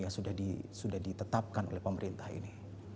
yang sudah ditetapkan oleh pemerintah ini